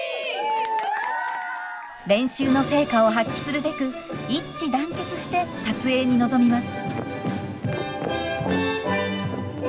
練習の成果を発揮するべく一致団結して撮影に臨みます。